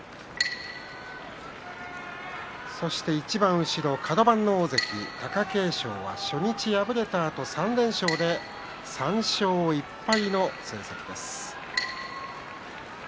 そしていちばん後ろカド番の大関貴景勝は初日敗れたあと、３連勝で３勝１敗の成績です。